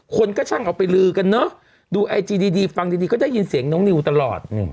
คนก็ช่างเอาไปลือกันเนอะดูไอจีดีฟังดีก็ได้ยินเสียงน้องนิวตลอด